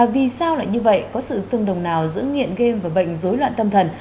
vì sao lại như vậy có sự tương đồng nào giữa nghiện game và bệnh dối loạn tâm thần